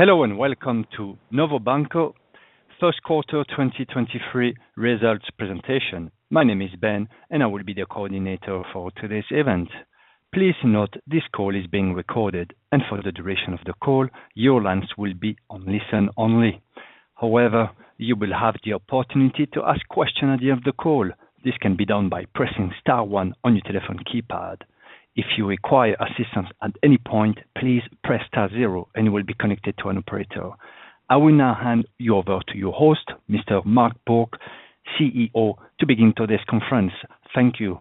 Hello, welcome to Novo Banco first quarter 2023 results presentation. My name is Ben, I will be the coordinator for today's event. Please note this call is being recorded, for the duration of the call, your lines will be on listen only. However, you will have the opportunity to ask questions at the end of the call. This can be done by pressing star one on your telephone keypad. If you require assistance at any point, please press star zero and you will be connected to an operator. I will now hand you over to your host, Mr. Mark Bourke, CEO, to begin today's conference. Thank you.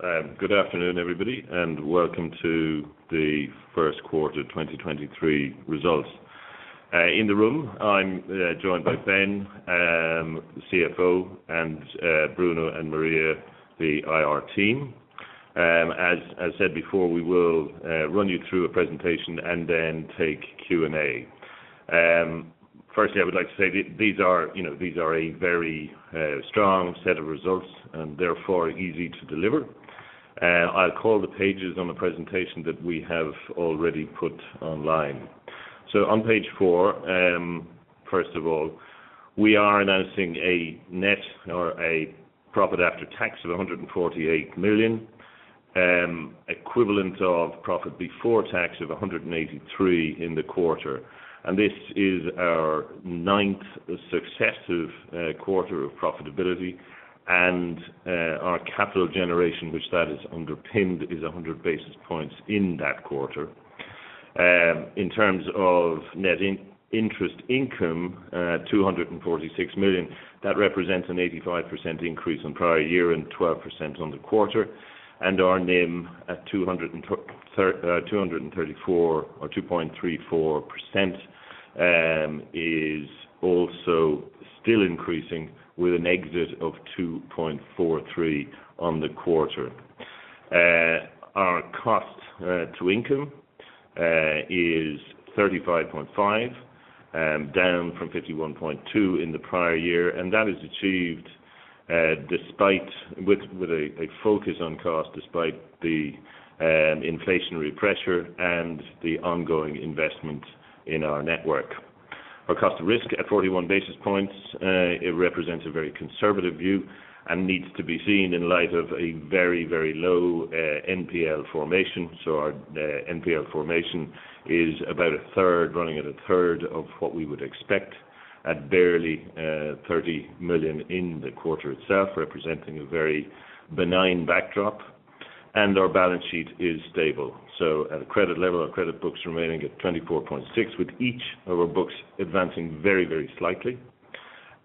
Good afternoon, everybody, welcome to the first quarter 2023 results. In the room, I'm joined by Ben, CFO, Bruno and Maria, the IR team. As said before, we will run you through a presentation and take Q&A. Firstly, I would like to say these are, you know, these are a very strong set of results and therefore easy to deliver. I'll call the pages on the presentation that we have already put online. On page four, first of all, we are announcing a net or a profit after tax of 148 million, equivalent of profit before tax of 183 million in the quarter. This is our ninth successive quarter of profitability. Our capital generation, which that is underpinned, is 100 basis points in that quarter. In terms of net interest income, 246 million, that represents an 85% increase on prior year and 12% on the quarter. Our NIM at 234 or 2.34%, is also still increasing with an exit of 2.43 on the quarter. Our cost to income is 35.5, down from 51.2 in the prior year, and that is achieved despite with a focus on cost, despite the inflationary pressure and the ongoing investment in our network. Our cost risk at 41 basis points, it represents a very conservative view and needs to be seen in light of a very, very low NPL formation. Our NPL formation is about a third, running at a third of what we would expect at barely 30 million in the quarter itself, representing a very benign backdrop. Our balance sheet is stable, so at a credit level, our credit book's remaining at 24.6, with each of our books advancing very, very slightly.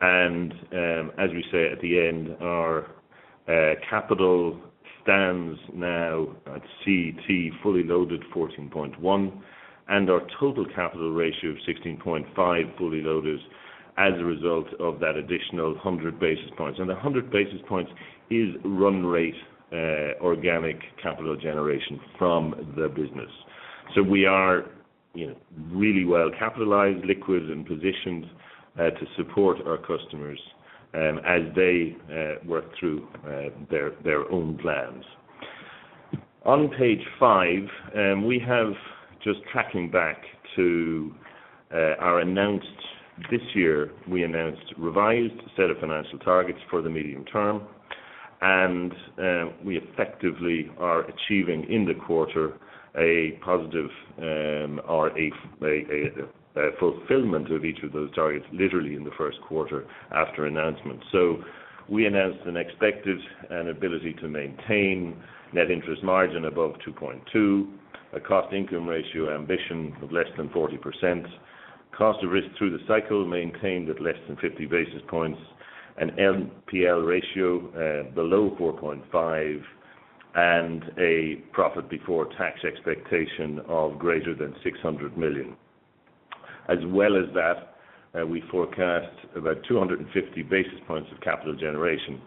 As we say at the end, our capital stands now at CET1 fully loaded 14.1, and our total capital ratio of 16.5 fully loaded as a result of that additional 100 basis points. The 100 basis points is run rate organic capital generation from the business. We are, you know, really well capitalized, liquid, and positioned to support our customers as they work through their own plans. On page five, we have just tracking back to this year, we announced revised set of financial targets for the medium term. We effectively are achieving in the quarter a positive or a fulfillment of each of those targets literally in the first quarter after announcement. We announced an expected and ability to maintain net interest margin above 2.2%, a cost income ratio ambition of less than 40%, cost of risk through the cycle maintained at less than 50 basis points, an NPL ratio below 4.5%, and a profit before tax expectation of greater than 600 million. We forecast about 250 basis points of capital generation.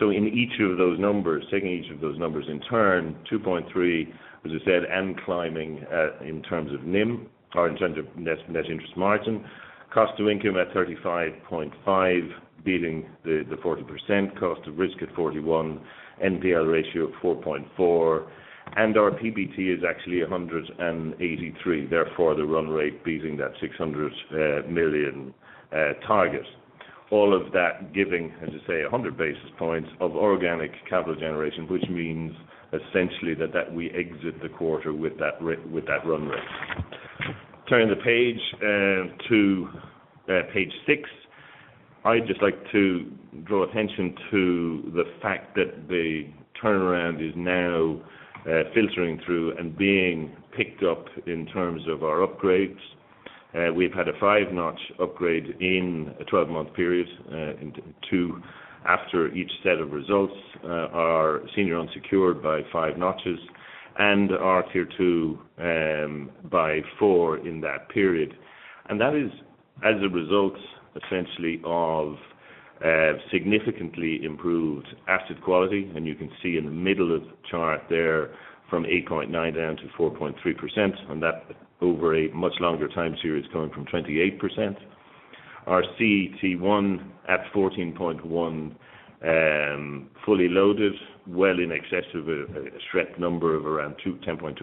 In each of those numbers, taking each of those numbers in turn, 2.3, as I said, and climbing, in terms of NIM or in terms of net interest margin. Cost to income at 35.5%, beating the 40%. Cost of risk at 41. NPL ratio of 4.4%. Our PBT is actually 183, therefore the run rate beating that 600 million target. All of that giving, as I say, 100 basis points of organic capital generation, which means essentially that we exit the quarter with that run rate. Turning the page to page six, I'd just like to draw attention to the fact that the turnaround is now filtering through and being picked up in terms of our upgrades. We've had a five-notch upgrade in a 12-month period, and two after each set of results. Our senior unsecured by five notches and our Tier 2 by four in that period. That is as a result essentially of significantly improved asset quality. You can see in the middle of the chart there from 8.9 down to 4.3%, and that over a much longer time series going from 28%. Our CET1 at 14.1, fully loaded well in excess of a SREP number of around 10.2%.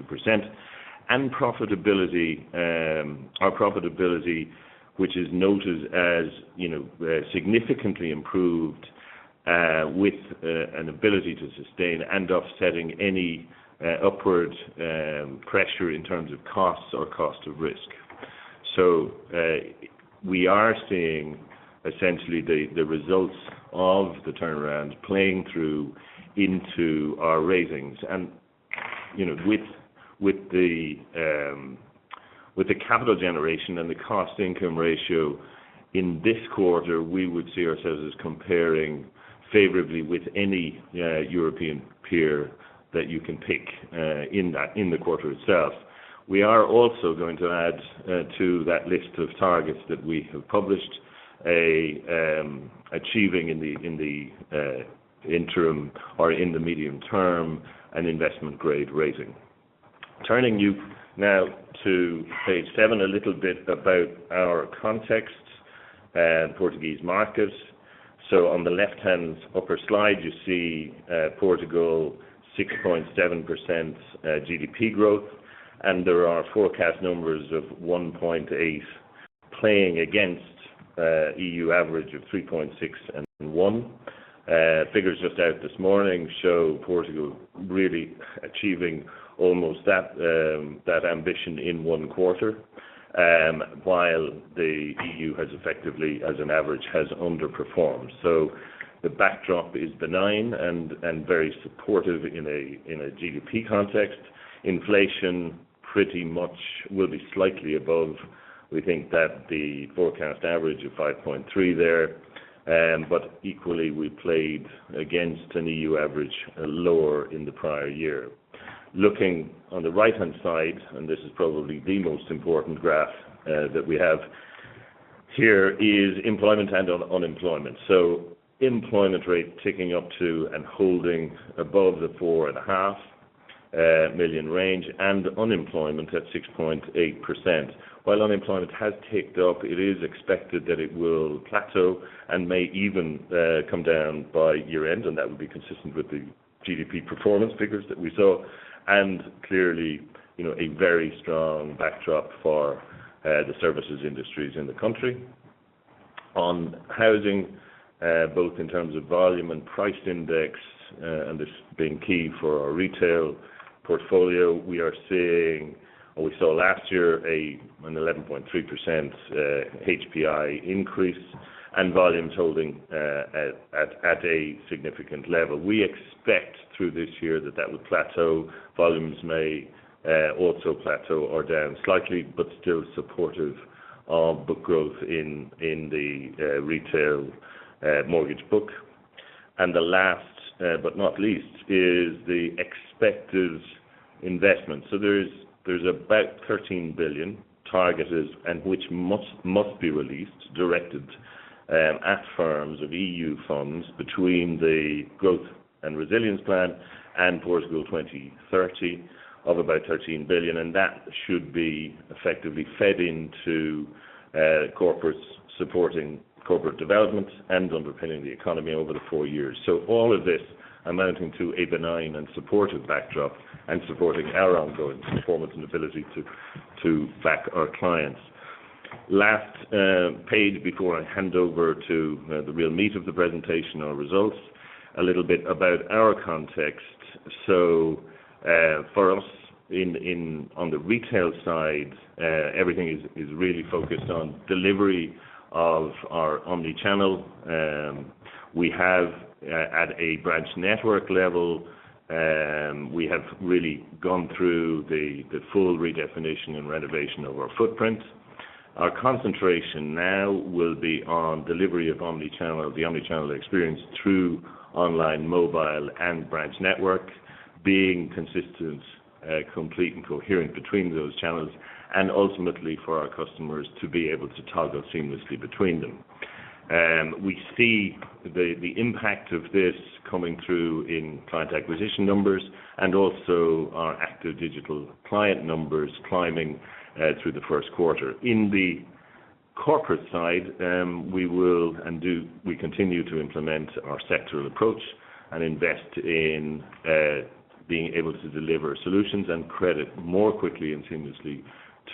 Profitability, our profitability, which is noted as, you know, significantly improved, with an ability to sustain and offsetting any upward pressure in terms of costs or cost of risk. We are seeing essentially the results of the turnaround playing through into our ratings. You know, with the capital generation and the cost income ratio in this quarter, we would see ourselves as comparing favorably with any European peer that you can pick in the quarter itself. We are also going to add to that list of targets that we have published, a achieving in the interim or in the medium term, an investment grade rating. Turning you now to page seven, a little bit about our context, Portuguese markets. On the left-hand upper slide, you see Portugal 6.7% GDP growth, and there are forecast numbers of 1.8 playing against EU average of 3.6, and one. Figures just out this morning show Portugal really achieving almost that ambition in one quarter, while the EU has effectively, as an average, has underperformed. The backdrop is benign and very supportive in a GDP context. Inflation pretty much will be slightly above. We think that the forecast average of 5.3 there, but equally we played against an EU average lower in the prior year. Looking on the right-hand side, and this is probably the most important graph that we have here, is employment and unemployment. Employment rate ticking up to and holding above the 4.5 million range, and unemployment at 6.8%. While unemployment has ticked up, it is expected that it will plateau and may even come down by year-end, and that would be consistent with the GDP performance figures that we saw, and clearly, you know, a very strong backdrop for the services industries in the country. Housing, both in terms of volume and price index, and this being key for our retail portfolio, we are seeing, or we saw last year a 11.3% HPI increase and volumes holding at a significant level. We expect through this year that that will plateau. Volumes may also plateau or down slightly, still supportive of book growth in the retail mortgage book. The last, but not least, is the expected investment. There's about 13 billion targeted and which must be released, directed at firms of EU funds between the Recovery and Resilience Plan and Portugal 2030 of about 13 billion. That should be effectively fed into corporates supporting corporate development and underpinning the economy over the 4 years. All of this amounting to a benign and supportive backdrop and supporting our ongoing performance and ability to back our clients. Last page before I hand over to the real meat of the presentation, our results, a little bit about our context. For us, on the retail side, everything is really focused on delivery of our omni-channel. We have at a branch network level, we have really gone through the full redefinition and renovation of our footprint. Our concentration now will be on delivery of omni-channel, the omni-channel experience through online, mobile, and branch network being consistent, complete and coherent between those channels, and ultimately for our customers to be able to toggle seamlessly between them. We see the impact of this coming through in client acquisition numbers and also our active digital client numbers climbing through the first quarter. In the corporate side, we continue to implement our sectoral approach and invest in being able to deliver solutions and credit more quickly and seamlessly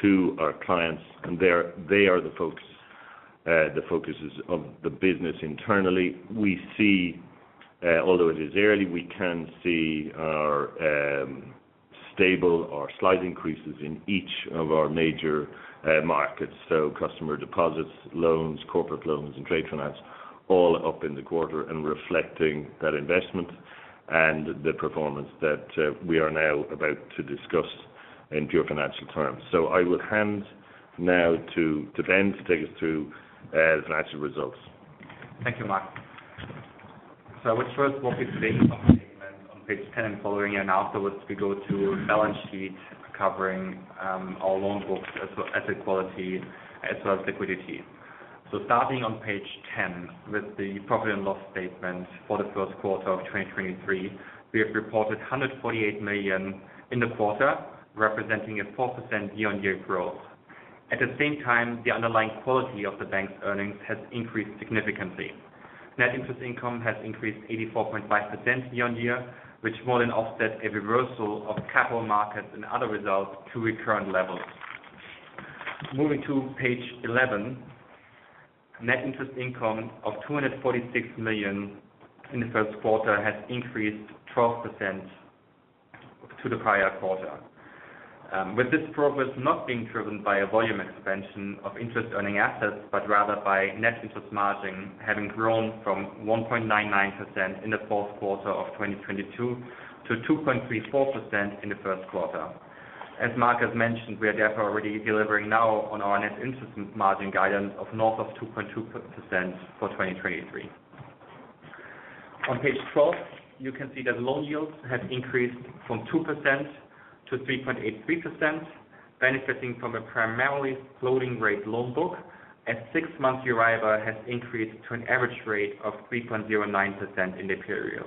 to our clients. They're, they are the focus, the focuses of the business internally. We see, although it is early, we can see our stable or slight increases in each of our major markets. Customer deposits, loans, corporate loans, and trade finance all up in the quarter and reflecting that investment and the performance that we are now about to discuss in pure financial terms. I would hand now to Ben to take us through the financial results. Thank you, Mark. I will first walk you through the income statement on page 10 and following, and afterwards we go to balance sheet covering our loan books as well asset quality as well as liquidity. Starting on page 10 with the profit and loss statement for the first quarter of 2023, we have reported 148 million in the quarter, representing a 4% year-on-year growth. At the same time, the underlying quality of the bank's earnings has increased significantly. Net interest income has increased 84.5% year-on-year, which more than offsets a reversal of capital markets and other results to recurrent levels. Moving to page 11, net interest income of 246 million in the first quarter has increased 12% to the prior quarter. With this progress not being driven by a volume expansion of interest earning assets, but rather by net interest margin having grown from 1.99% in Q4 2022 to 2.34% in Q1. As Marcus mentioned, we are therefore already delivering now on our net interest margin guidance of north of 2.2% for 2023. On page 12, you can see that loan yields have increased from 2% to 3.83%, benefiting from a primarily floating rate loan book as six-month Euribor has increased to an average rate of 3.09% in the period.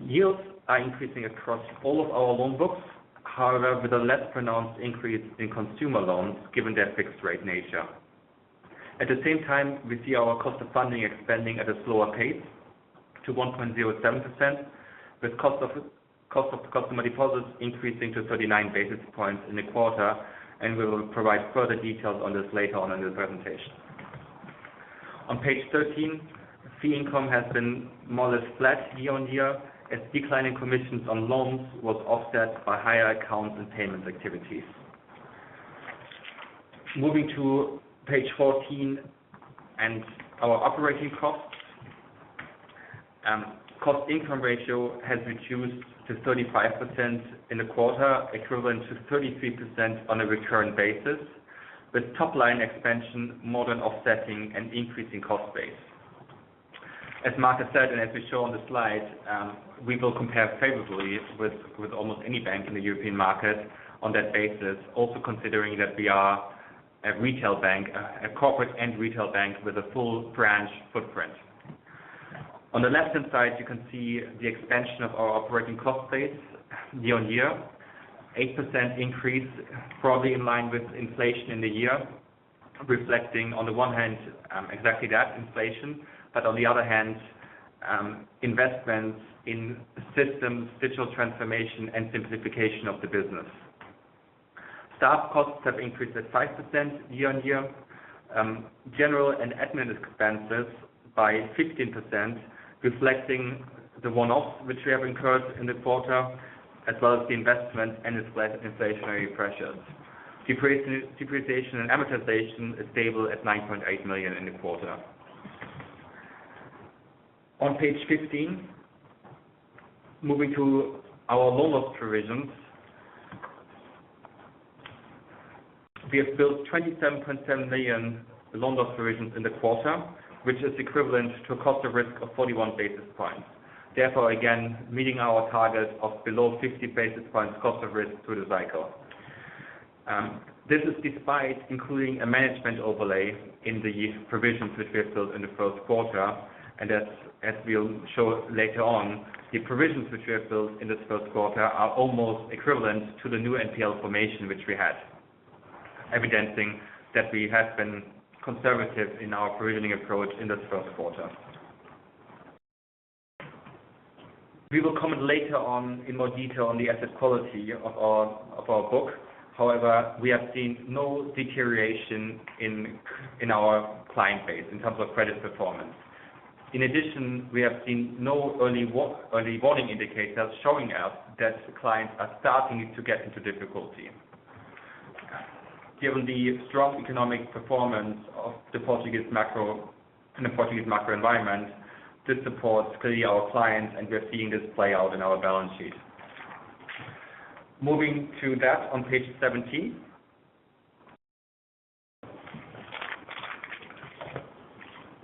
Yields are increasing across all of our loan books. However, with a less pronounced increase in consumer loans, given their fixed rate nature. At the same time, we see our cost of funding expanding at a slower pace to 1.07%, with cost of customer deposits increasing to 39 basis points in the quarter, and we will provide further details on this later on in the presentation. On page 13, fee income has been more or less flat year-over-year, as decline in commissions on loans was offset by higher accounts and payment activities. Moving to page 14 and our operating costs. Cost income ratio has reduced to 35% in the quarter, equivalent to 33% on a recurrent basis, with top line expansion more than offsetting an increasing cost base. As Mark said, and as we show on the slide, we will compare favorably with almost any bank in the European market on that basis. Also considering that we are a corporate and retail bank with a full branch footprint. On the left-hand side, you can see the expansion of our operating cost base year-on-year. 8% increase broadly in line with inflation in the year, reflecting on the one hand, exactly that inflation, but on the other hand, investments in systems, digital transformation, and simplification of the business. Staff costs have increased at 5% year-on-year, general and admin expenses by 15%, reflecting the one-offs which we have incurred in the quarter, as well as the investment and the slight inflationary pressures. Depreciation and amortization is stable at 9.8 million in the quarter. On page 15, moving to our loan loss provisions. We have built 27.7 million loan loss provisions in the quarter, which is equivalent to a cost of risk of 41 basis points, therefore, again, meeting our target of below 50 basis points cost of risk through the cycle. This is despite including a management overlay in the provisions which we have built in the first quarter. As we'll show later on, the provisions which we have built in this first quarter are almost equivalent to the new NPL formation which we had, evidencing that we have been conservative in our provisioning approach in this first quarter. We will comment later on in more detail on the asset quality of our book. However, we have seen no deterioration in our client base in terms of credit performance. We have seen no early warning indicators showing us that clients are starting to get into difficulty. Given the strong economic performance of the Portuguese macro environment, this supports clearly our clients, and we're seeing this play out in our balance sheet. Moving to that on page 17.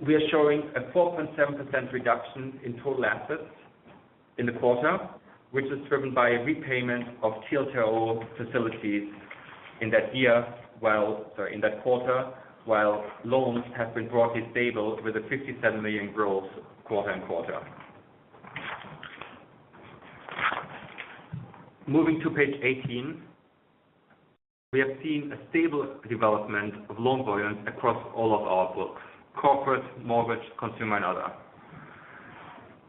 We are showing a 4.7% reduction in total assets in the quarter, which is driven by a repayment of TLTRO facilities in that quarter, while loans have been broadly stable with a 57 million growth quarter-on-quarter. Moving to page 18. We have seen a stable development of loan volumes across all of our books, corporate, mortgage, consumer, and other.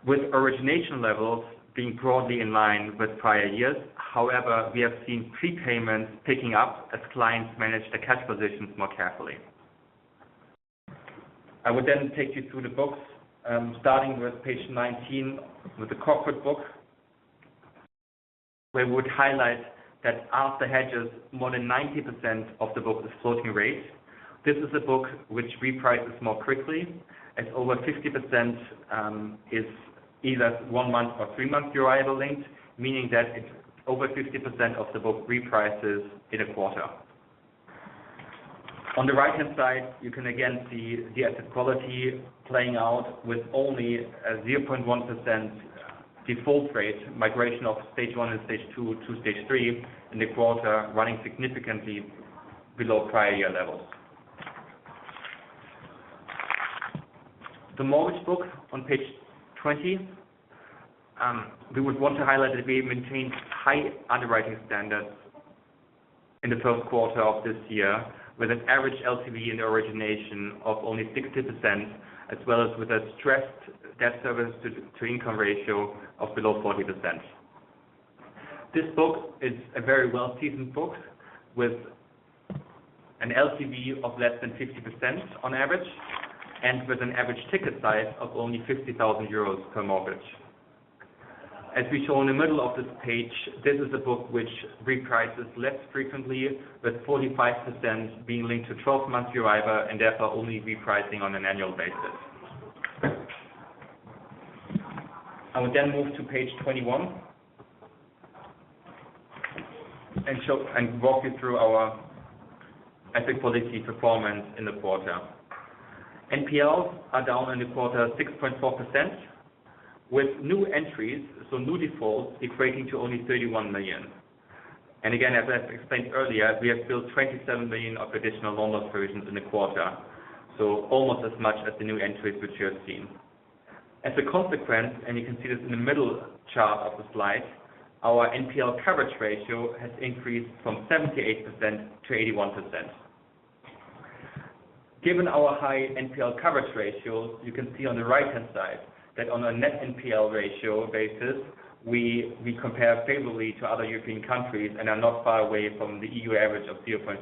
With origination levels being broadly in line with prior years, however, we have seen prepayments picking up as clients manage their cash positions more carefully. I would take you through the books, starting with page 19 with the corporate book. We would highlight that after hedges, more than 90% of the book is floating rate. This is a book which reprices more quickly, as over 50% is either one-month or three-month Euribor linked, meaning that it's over 50% of the book reprices in a quarter. On the right-hand side, you can again see the asset quality playing out with only a 0.1% default rate, migration of stage one and stage two to stage three in the quarter running significantly below prior year levels. The mortgage book on page 20, we would want to highlight that we maintained high underwriting standards in the first quarter of this year with an average LTV in the origination of only 60%, as well as with a stressed debt service to income ratio of below 40%. This book is a very well-seasoned book with an LTV of less than 50% on average, and with an average ticket size of only 50,000 euros per mortgage. We show in the middle of this page, this is a book which reprices less frequently, with 45% being linked to 12-month Euribor, therefore only repricing on an annual basis. I will move to page 21. Walk you through our asset quality performance in the quarter. NPLs are down in the quarter 6.4% with new entries, new defaults equating to only 31 million. Again, as I explained earlier, we have built 27 million of additional loan loss provisions in the quarter, almost as much as the new entries which you have seen. As a consequence, you can see this in the middle chart of the slide, our NPL coverage ratio has increased from 78% to 81%. Given our high NPL coverage ratio, you can see on the right-hand side that on a net NPL ratio basis, we compare favorably to other European countries and are not far away from the EU average of 0.5%.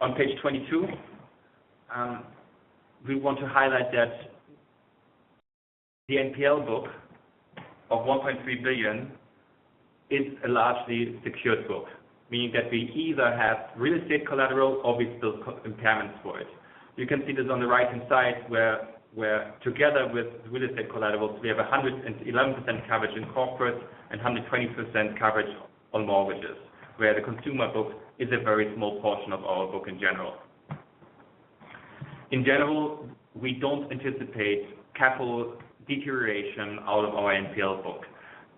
On page 22, we want to highlight that the NPL book of 1.3 billion is a largely secured book, meaning that we either have real estate collateral or we build co-impairments for it. You can see this on the right-hand side, where together with real estate collaterals, we have 111% coverage in corporate and 120% coverage on mortgages, where the consumer book is a very small portion of our book in general. In general, we don't anticipate capital deterioration out of our NPL book.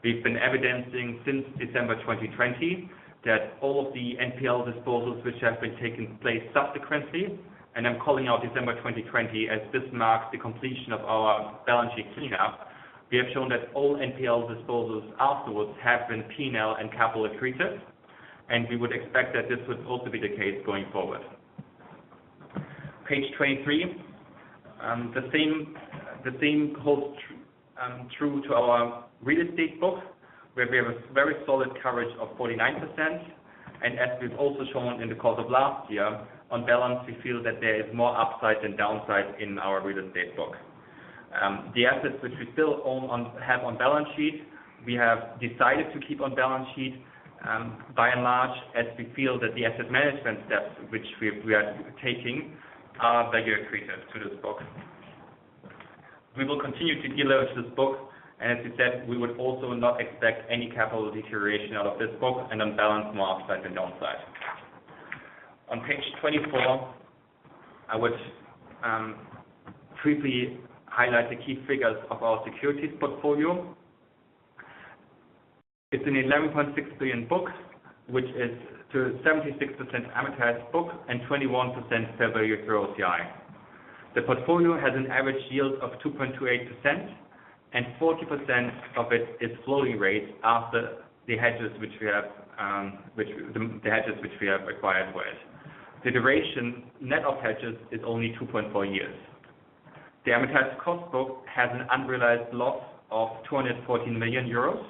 We've been evidencing since December 2020 that all of the NPL disposals which have been taking place subsequently, I'm calling out December 2020 as this marks the completion of our balance sheet cleanup. We have shown that all NPL disposals afterwards have been P&L and capital accretive, we would expect that this would also be the case going forward. Page 23, the same holds true to our real estate book, where we have a very solid coverage of 49%. As we've also shown in the course of last year, on balance, we feel that there is more upside than downside in our real estate book. The assets which we still own have on balance sheet, we have decided to keep on balance sheet, by and large, as we feel that the asset management steps which we are taking are value accretive to this book. We will continue to deleverage this book. As we said, we would also not expect any capital deterioration out of this book and on balance more upside than downside. On page 24, I would briefly highlight the key figures of our securities portfolio. It's an 11.6 billion book, which is to 76% amortized book and 21% fair value through OCI. The portfolio has an average yield of 2.28%, and 40% of it is floating rate after the hedges which we have, the hedges which we have acquired for it. The duration net of hedges is only 2.4 years. The amortized cost book has an unrealized loss of 214 million euros,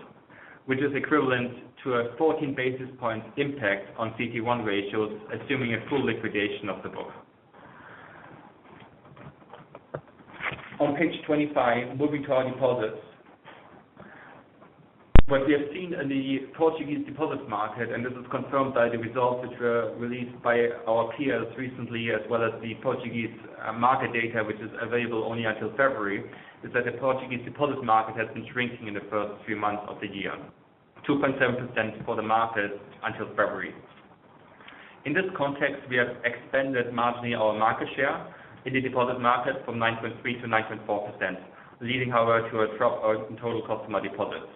which is equivalent to a 14 basis points impact on CET1 ratios, assuming a full liquidation of the book. On page 25, moving to our deposits. What we have seen in the Portuguese deposit market, and this is confirmed by the results which were released by our peers recently, as well as the Portuguese market data, which is available only until February, is that the Portuguese deposit market has been shrinking in the first few months of the year, 2.7% for the market until February. In this context, we have expanded marginally our market share in the deposit market from 9.3% to 9.4%, leading, however, to a drop of in total customer deposits.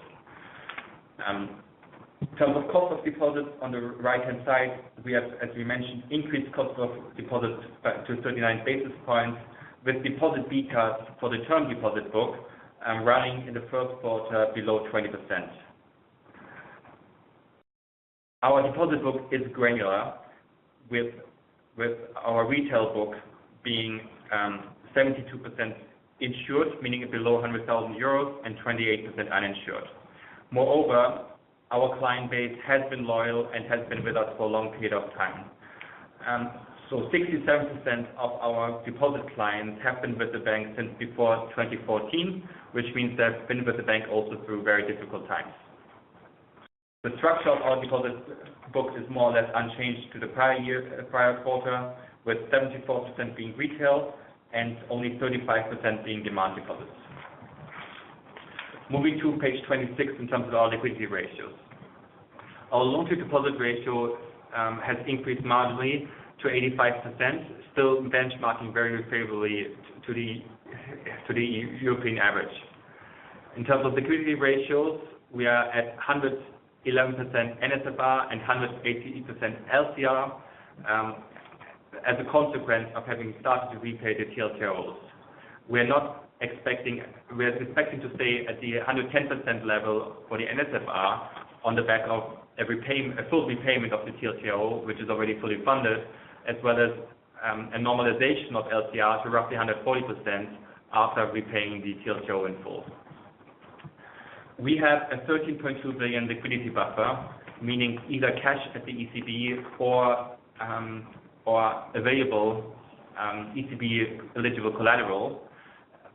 In terms of cost of deposits on the right-hand side, we have, as we mentioned, increased cost of deposits back to 39 basis points with deposit betas for the term deposit book, running in the first quarter below 20%. Our deposit book is granular with our retail book being 72% insured, meaning below 100,000 euros and 28% uninsured. Our client base has been loyal and has been with us for a long period of time. 67% of our deposit clients have been with the bank since before 2014, which means they've been with the bank also through very difficult times. The structure of our deposits book is more or less unchanged to the prior quarter, with 74% being retail and only 35% being demand deposits. Moving to page 26 in terms of our liquidity ratios. Our loan-to-deposit ratio has increased marginally to 85%, still benchmarking very favorably to the European average. In terms of liquidity ratios, we are at 111% NSFR and 188% LCR as a consequence of having started to repay the TLTROs. We are expecting to stay at the 110% level for the NSFR on the back of a full repayment of the TLTRO, which is already fully funded, as well as a normalization of LCR to roughly 140% after repaying the TLTRO in full. We have a 13.2 billion liquidity buffer, meaning either cash at the ECB or available ECB-eligible collateral.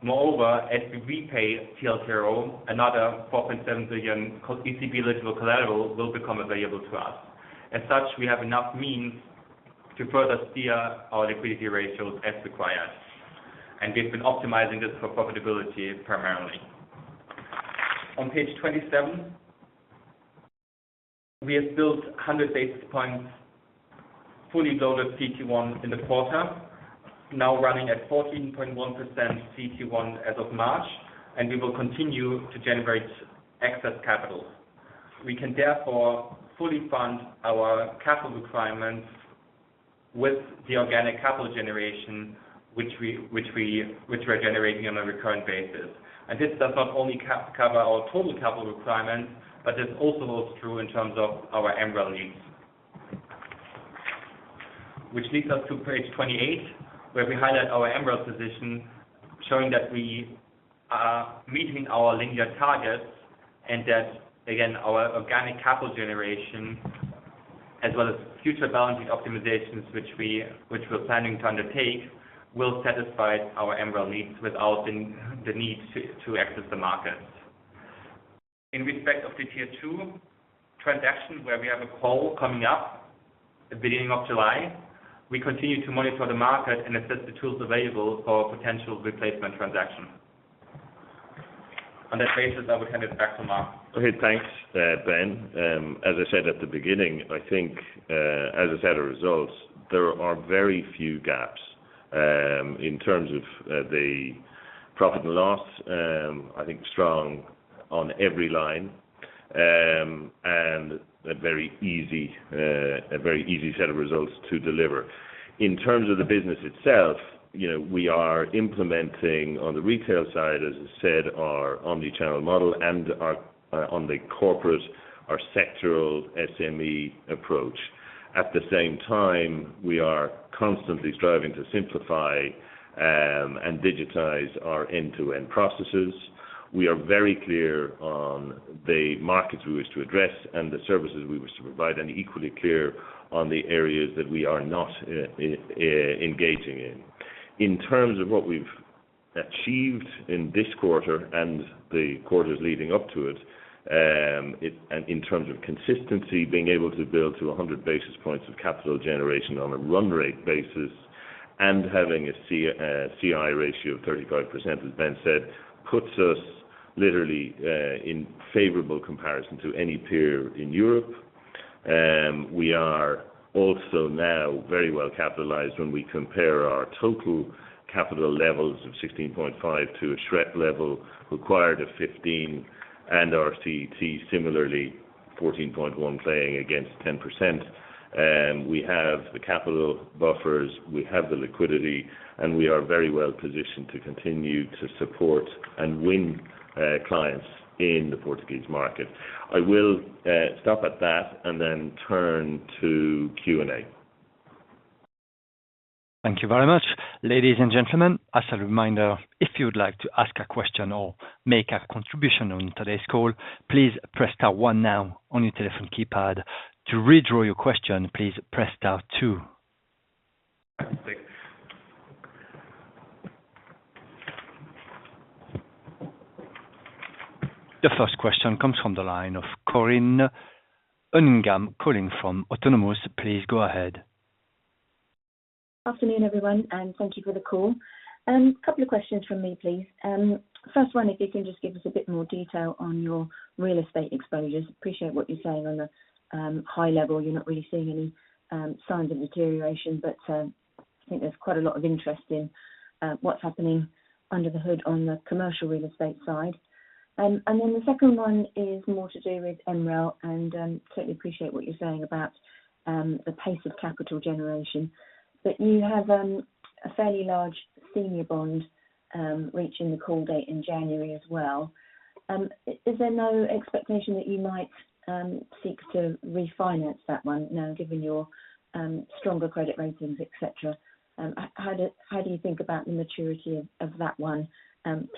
Moreover, as we repay TLTRO, another 4.7 billion ECB-eligible collateral will become available to us. As such, we have enough means to further steer our liquidity ratios as required, and we've been optimizing this for profitability primarily. On page 27, we have built 100 basis points fully loaded CET1 in the quarter, now running at 14.1% CET1 as of March, and we will continue to generate excess capital. We can therefore fully fund our capital requirements with the organic capital generation which we're generating on a recurrent basis. This does not only cover our total capital requirements, but this also holds true in terms of our MREL needs. Which leads us to page 28, where we highlight our MREL position, showing that we are meeting our linear targets and that, again, our organic capital generation, as well as future balancing optimizations which we're planning to undertake, will satisfy our MREL needs without the need to access the markets. In respect of the Tier 2 transaction where we have a call coming up at the beginning of July, we continue to monitor the market and assess the tools available for potential replacement transaction. On that basis, I will hand it back to Mark. Okay, thanks, Ben. As I said at the beginning, I think, as I said, our results, there are very few gaps in terms of the profit and loss. I think strong on every line, and a very easy set of results to deliver. In terms of the business itself, you know, we are implementing on the retail side, as I said, our omni-channel model and our on the corporate, our sectoral SME approach. At the same time, we are constantly striving to simplify and digitize our end-to-end processes. We are very clear on the markets we wish to address and the services we wish to provide, and equally clear on the areas that we are not engaging in. In terms of what we've achieved in this quarter and the quarters leading up to it, in terms of consistency, being able to build to 100 basis points of capital generation on a run rate basis and having a CI ratio of 35%, as Ben said, puts us literally in favorable comparison to any peer in Europe. We are also now very well capitalized when we compare our total capital levels of 16.5 to a SREP level required of 15, and our CET1 similarly 14.1 playing against 10%. We have the capital buffers, we have the liquidity, we are very well positioned to continue to support and win clients in the Portuguese market. I will stop at that then turn to Q&A. Thank you very much. Ladies and gentlemen, as a reminder, if you would like to ask a question or make a contribution on today's call, please press star one now on your telephone keypad. To withdraw your question, please press star two. Thanks. The first question comes from the line of Corinne Cunningham calling from Autonomous. Please go ahead. Afternoon, everyone, and thank you for the call. Couple of questions from me, please. First one, if you can just give us a bit more detail on your real estate exposures. Appreciate what you're saying on the high level. You're not really seeing any signs of deterioration, but I think there's quite a lot of interest in what's happening under the hood on the commercial real estate side. The second one is more to do with MREL, and certainly appreciate what you're saying about the pace of capital generation. You have a fairly large senior bond reaching the call date in January as well. Is there no expectation that you might seek to refinance that one now, given your stronger credit ratings, etc.? How do you think about the maturity of that one,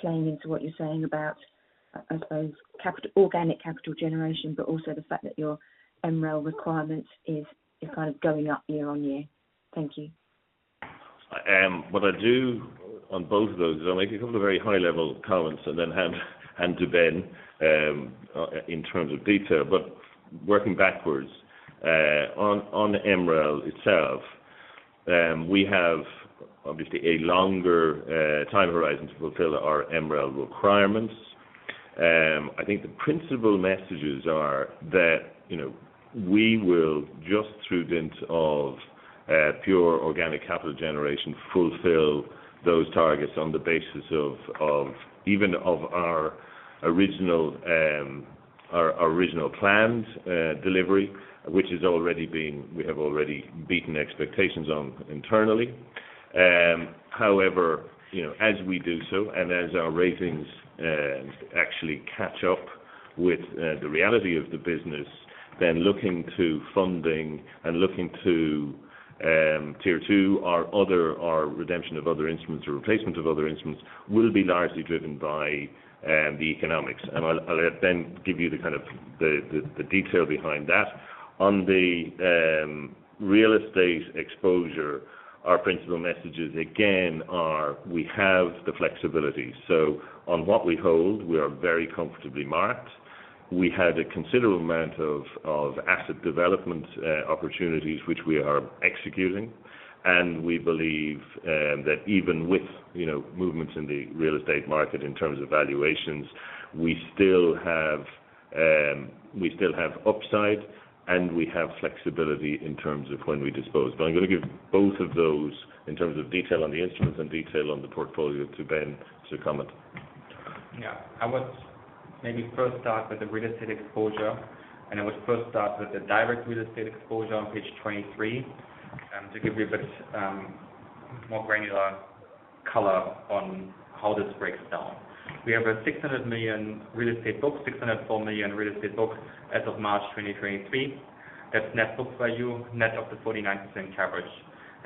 playing into what you're saying about, I suppose, organic capital generation, but also the fact that your MREL requirements is kind of going up year-on-year? Thank you. What I do on both of those is I'll make a couple of very high-level comments and then hand to Ben in terms of detail. Working backwards on MREL itself, we have obviously a longer time horizon to fulfill our MREL requirements. I think the principal messages are that, you know, we will just through dint of pure organic capital generation fulfill those targets on the basis of even of our original plans delivery, we have already beaten expectations on internally. However, you know, as we do so, and as our ratings actually catch up with the reality of the business, then looking to funding and looking to Tier 2 our redemption of other instruments or replacement of other instruments will be largely driven by the economics. I'll let Ben give you the kind of the detail behind that. On the real estate exposure, our principal messages again are we have the flexibility. On what we hold, we are very comfortably marked. We had a considerable amount of asset development opportunities which we are executing, and we believe that even with, you know, movements in the real estate market in terms of valuations, we still have upside, and we have flexibility in terms of when we dispose. I'm gonna give both of those in terms of detail on the instruments and detail on the portfolio to Ben to comment. I would maybe first start with the real estate exposure, and I would first start with the direct real estate exposure on page 23, to give you a bit more granular color on how this breaks down. We have a 600 million real estate book, 604 million real estate book as of March 2023. That's net book value, net of the 49% coverage.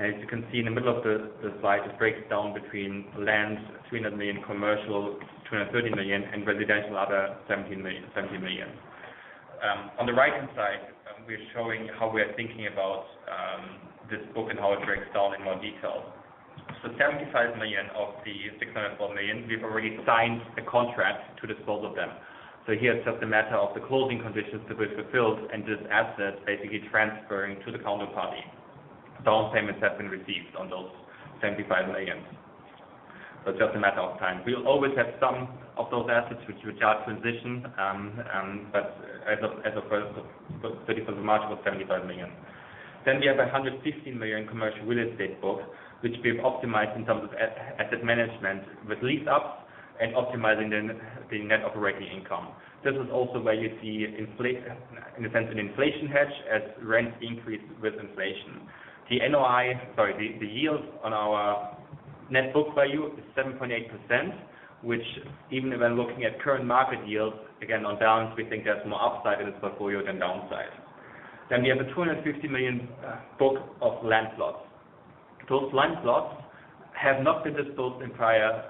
As you can see in the middle of the slide, it breaks down between land, 300 million commercial, 230 million, and residential other, 70 million, 70 million. On the right-hand side, we're showing how we are thinking about this book and how it breaks down in more detail. 75 million of the 604 million, we've already signed a contract to dispose of them. Here it's just a matter of the closing conditions to be fulfilled and this asset basically transferring to the counterparty. Down payments have been received on those 75 million. It's just a matter of time. We'll always have some of those assets which will just transition, but as of March 31st, it was 75 million. We have 115 million commercial real estate book, which we've optimized in terms of asset management with lease ups and optimizing the net operating income. This is also where you see in a sense, an inflation hedge as rents increase with inflation. The NOI, sorry, the yield on our net book value is 7.8%, which even if we're looking at current market yields, again, on balance, we think there's more upside in this portfolio than downside. We have a 250 million book of land plots. Those land plots have not been disposed in prior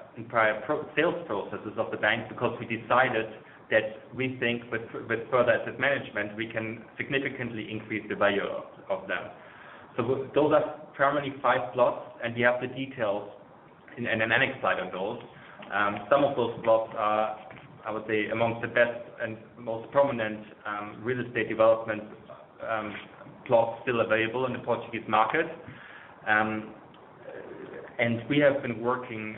sales processes of the bank because we decided that we think with further asset management, we can significantly increase the value of them. Those are primarily five plots, and we have the details in an annex slide on those. Some of those plots are, I would say, amongst the best and most prominent real estate development plots still available in the Portuguese market. And we have been working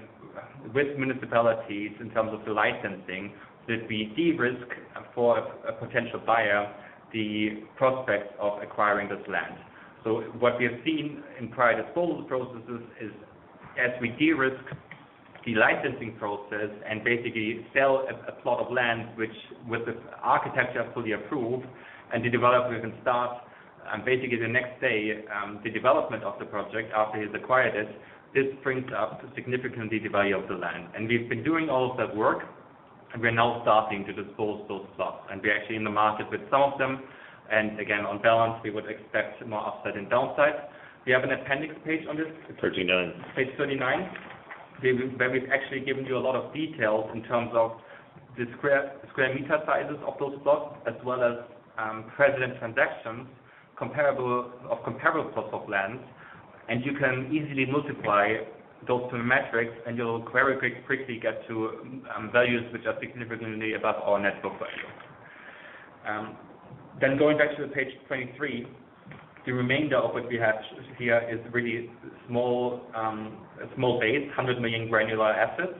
with municipalities in terms of the licensing, that we de-risk for a potential buyer, the prospects of acquiring this land. What we have seen in prior disposal processes is, as we de-risk the licensing process and basically sell a plot of land, which with the architecture fully approved and the developer can start, basically the next day, the development of the project after he's acquired it, this brings up significantly the value of the land. We've been doing all of that work, and we're now starting to dispose those plots. We're actually in the market with some of them, and again, on balance, we would expect more upside than downside. We have an appendix page on this. 39. Page 39. Where we've actually given you a lot of details in terms of the square meter sizes of those plots, as well as precedent transactions of comparable plots of land. You can easily multiply those two metrics, and you'll very quickly get to values which are significantly above our net book value. Going back to the page 23, the remainder of what we have here is really small, a small base, 100 million granular assets,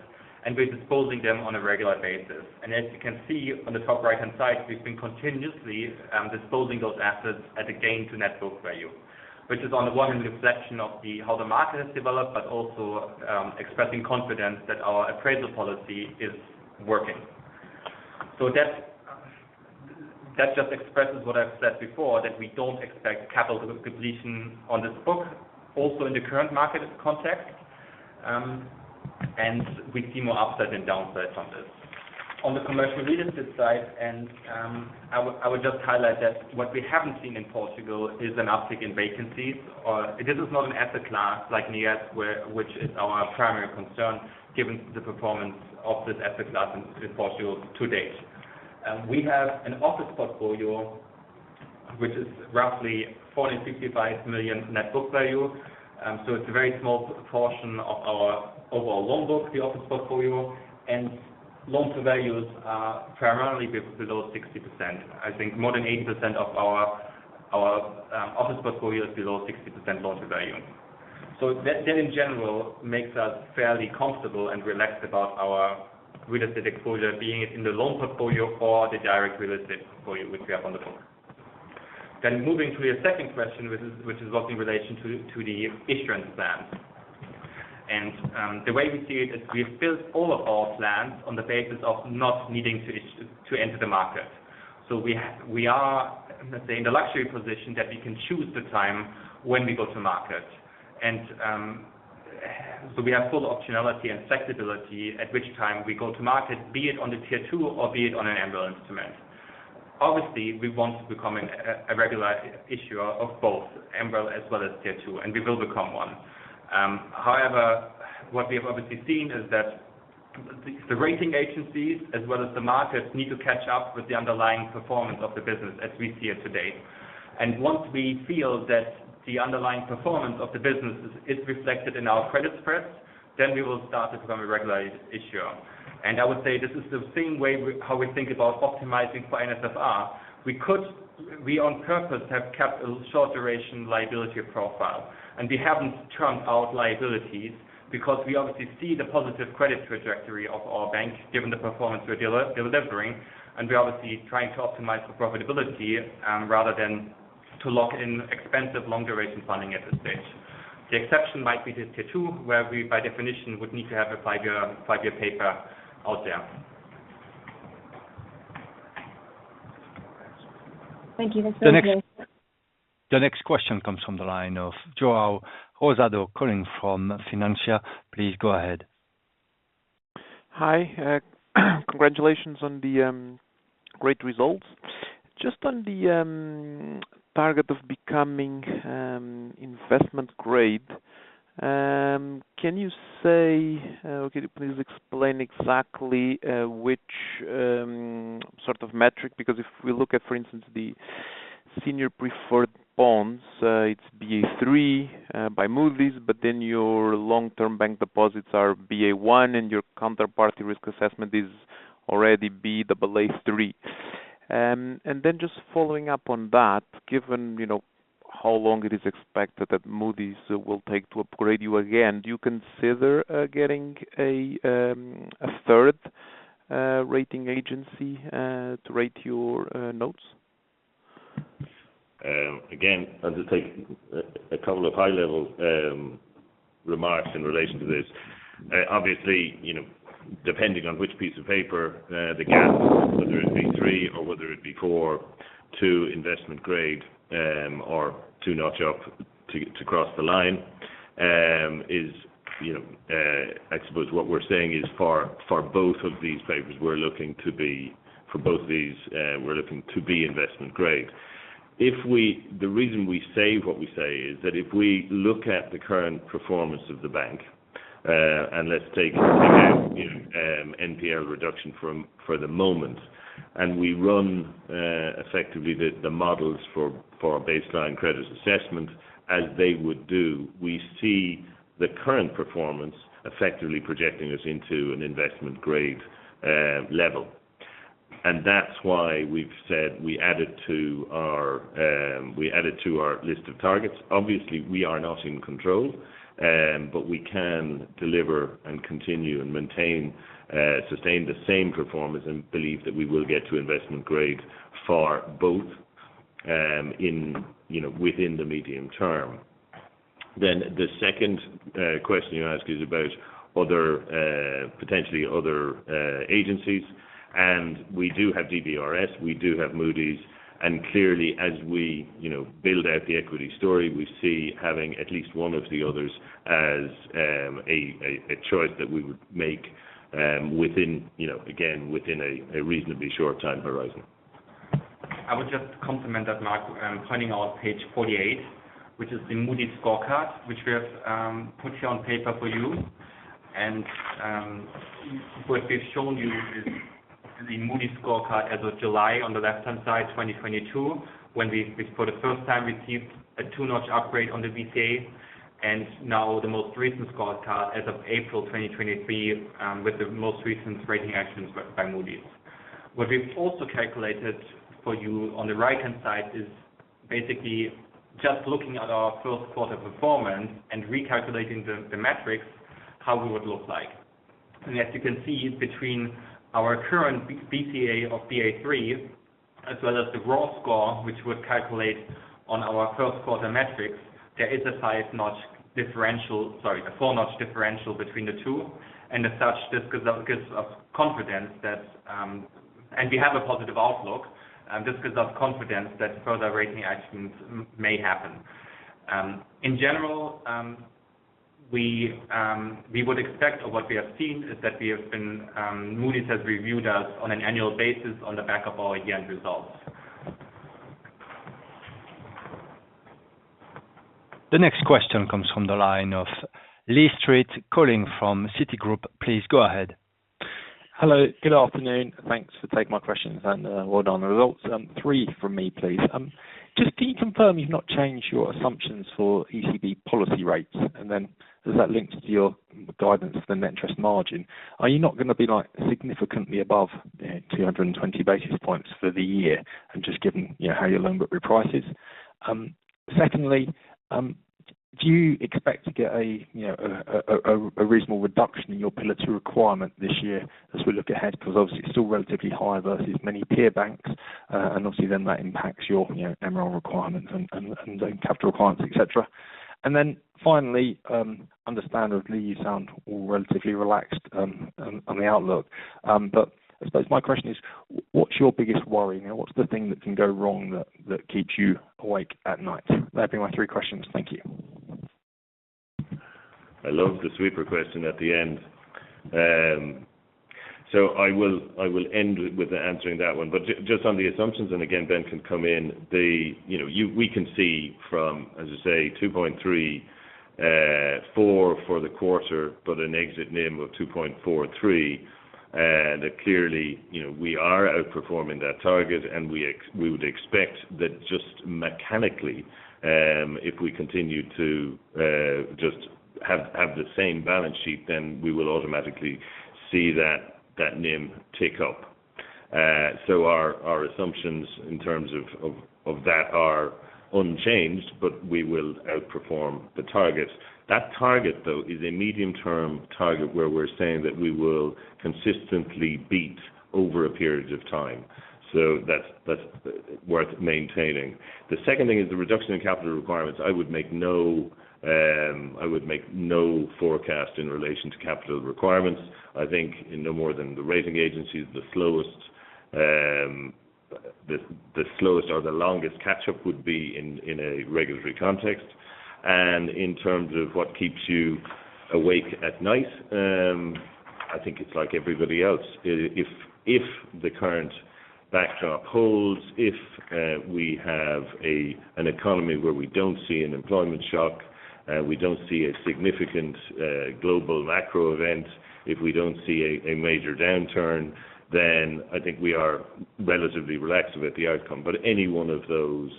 and we're disposing them on a regular basis. As you can see on the top right-hand side, we've been continuously disposing those assets at a gain to net book value, which is on the one hand, a reflection of how the market has developed, but also expressing confidence that our appraisal policy is working. That's that just expresses what I've said before, that we don't expect capital depletion on this book also in the current market context, and we see more upside than downside from this. On the commercial real estate side, I would just highlight that what we haven't seen in Portugal is an uptick in vacancies. This is not an asset class like in the U.S. which is our primary concern given the performance of this asset class in Portugal to date. We have an office portfolio which is roughly 465 million net book value. It's a very small portion of our overall loan book, the office portfolio. Loan to values are primarily below 60%. I think more than 80% of our office portfolio is below 60% loan to value. That, that in general makes us fairly comfortable and relaxed about our real estate exposure being in the loan portfolio or the direct real estate portfolio, which we have on the book. Moving to your second question, which is, which is what in relation to the issuance plan. The way we see it is we've built all of our plans on the basis of not needing to enter the market. We are, let's say, in the luxury position that we can choose the time when we go to market. We have full optionality and flexibility at which time we go to market, be it on the Tier 2 or be it on an AT1 instrument. Obviously, we want to become a regular issuer of both AT1 as well as Tier 2, and we will become one. However, what we have obviously seen is that the rating agencies as well as the markets need to catch up with the underlying performance of the business as we see it today. Once we feel that the underlying performance of the business is reflected in our credit spreads, then we will start to become a regular issuer. I would say this is the same way how we think about optimizing for NSFR. We on purpose, have kept a short duration liability profile, and we haven't churned out liabilities because we obviously see the positive credit trajectory of our bank, given the performance we're delivering. We're obviously trying to optimize for profitability, rather than to lock in expensive long duration funding at this stage. The exception might be the Tier 2, where we by definition, would need to have a five-year paper out there. Thank you. That's very clear. The next question comes from the line of João Rosado calling from Finantia. Please go ahead. Hi. Congratulations on the great results. Just on the target of becoming investment grade, can you please explain exactly which sort of metric? If we look at, for instance, the senior preferred bonds, it's Ba3 by Moody's. Your long-term bank deposits are Ba1, and your counterparty risk assessment is already Ba3. Following up on that, given, you know, how long it is expected that Moody's will take to upgrade you again, do you consider getting a third rating agency to rate your notes? Again, I'll just take a couple of high level remarks in relation to this. Obviously, you know, depending on which piece of paper, the gap whether it be three or whether it be four to investment grade, or to notch up to cross the line, you know, I suppose what we're saying is for both of these papers, we're looking to be for both of these, we're looking to be investment grade. The reason we say what we say is that if we look at the current performance of the bank, and let's take again, you know, NPL reduction from, for the moment, and we run effectively the models for a baseline credit assessment as they would do, we see the current performance effectively projecting us into an investment grade level. That's why we've said we added to our list of targets. Obviously, we are not in control, but we can deliver and continue and maintain, sustain the same performance and believe that we will get to investment grade for both, in, you know, within the medium term. The second question you ask is about other, potentially other, agencies. We do have DBRS, we do have Moody's. Clearly, as we, you know, build out the equity story, we see having at least one of the others as a choice that we would make, within, you know, again, within a reasonably short time horizon. I would just complement that, Mark, pointing out page 48, which is the Moody's scorecard, which we have put here on paper for you. What we've shown you is the Moody's scorecard as of July on the left-hand side, 2022, when we for the first time received a two-notch upgrade on the BCA. Now the most recent scorecard as of April 2023, with the most recent rating actions by Moody's. What we've also calculated for you on the right-hand side is basically just looking at our first quarter performance and recalculating the metrics, how we would look like. As you can see, between our current BCA of Ba3 as well as the raw score, which would calculate on our first quarter metrics, there is a five-notch differential, sorry, a four-notch differential between the two. As such, this gives us confidence that, and we have a positive outlook, this gives us confidence that further rating actions may happen. In general, we would expect or what we have seen is that we have been, Moody's has reviewed us on an annual basis on the back of our year-end results. The next question comes from the line of Lee Street, calling from Citigroup. Please go ahead. Hello. Good afternoon. Thanks for taking my questions, and well done results. Three from me, please. Just can you confirm you've not changed your assumptions for ECB policy rates? Then does that link to your- Guidance for the net interest margin. Are you not going to be like significantly above 220 basis points for the year and just given, you know, how your loan book reprices? Secondly, do you expect to get a, you know, a reasonable reduction in your Pillar 2 requirement this year as we look ahead? Because obviously it's still relatively high versus many peer banks, and obviously then that impacts your, you know, MREL requirements and, and capital requirements, etc. Finally, understandably, you sound all relatively relaxed, on the outlook. I suppose my question is, what's your biggest worry? You know, what's the thing that can go wrong that keeps you awake at night? That'd be my three questions. Thank you. I love the sweeper question at the end. I will end with answering that one. just on the assumptions, and again, Ben can come in, You know, we can see from, as you say, 2.34% for the quarter, but an exit NIM of 2.43%. Clearly, you know, we are outperforming that target, and we would expect that just mechanically, if we continue to just have the same balance sheet, then we will automatically see that NIM tick up. Our assumptions in terms of that are unchanged, but we will outperform the target. That target, though, is a medium-term target where we're saying that we will consistently beat over a period of time. That's worth maintaining. The second thing is the reduction in capital requirements. I would make no, I would make no forecast in relation to capital requirements. I think in no more than the rating agencies, the slowest, the slowest or the longest catch-up would be in a regulatory context. In terms of what keeps you awake at night, I think it's like everybody else. If the current backdrop holds, if we have an economy where we don't see an employment shock, we don't see a significant, global macro event, if we don't see a major downturn, then I think we are relatively relaxed about the outcome. But any one of those,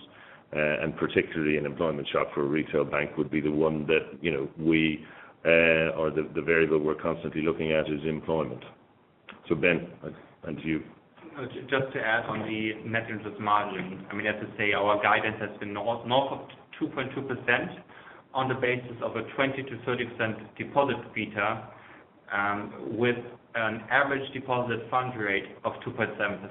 and particularly an employment shock for a retail bank, would be the one that, you know, we, or the variable we're constantly looking at is employment. Ben, on to you. Just to add on the net interest margin. I mean, as I say, our guidance has been north of 2.2% on the basis of a 20%-30% deposit beta, with an average deposit fund rate of 2.7%.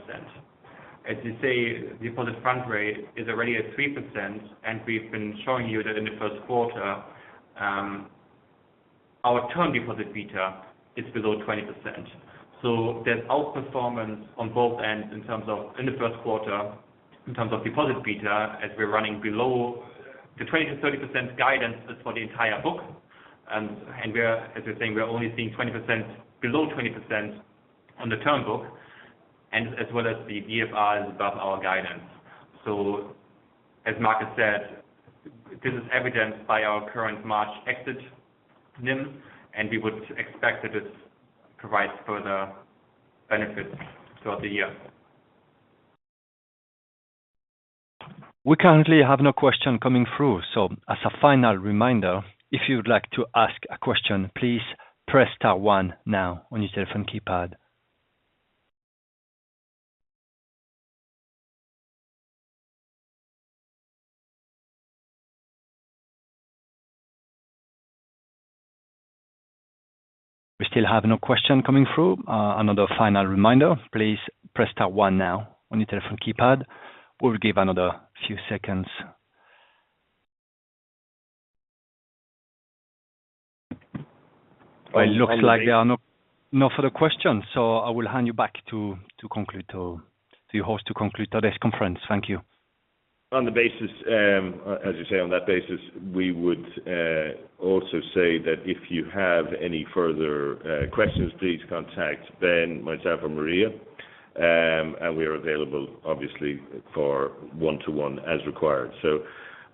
As you say, deposit fund rate is already at 3%, we've been showing you that in the first quarter, our term deposit beta is below 20%. There's outperformance on both ends in terms of in the first quarter, in terms of deposit beta, as we're running below the 20%-30% guidance is for the entire book. As we're saying, we're only seeing below 20% on the term book, as well as the DFR is above our guidance. As Mark said, this is evidenced by our current March exit NIM, and we would expect that this provides further benefits throughout the year. We currently have no question coming through. As a final reminder, if you would like to ask a question, please press star one now on your telephone keypad. We still have no question coming through. Another final reminder, please press star one now on your telephone keypad. We will give another few seconds. It looks like there are no further questions. I will hand you back to conclude or to your host to conclude today's conference. Thank you. On the basis, as you say, on that basis, we would also say that if you have any further questions, please contact Ben, myself, or Maria. We are available obviously for one-to-one as required.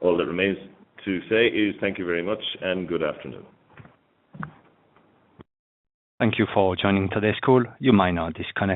All that remains to say is thank you very much and good afternoon. Thank you for joining today's call. You may now disconnect.